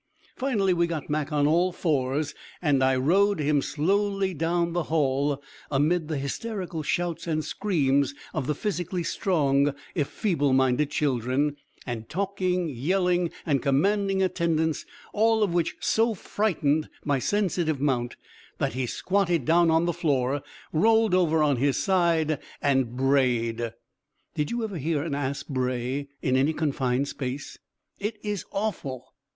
Finally we got Mac on all fours, and I rode him slowly down the hall amid the hysterical shouts and screams of the physically strong, if feeble minded children, and talking, yelling and commanding attendants, all of which so frightened my sensitive mount that he squatted down on the floor, rolled over on his side, and brayed. Did you ever hear an ass bray in any confined space? It is awful!